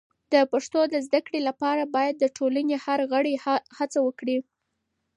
د پښتو د زده کړې لپاره باید د ټولنې هر غړی هڅه وکړي.